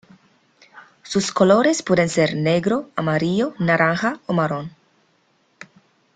Sus colores pueden ser negro, amarillo, naranja o marrón.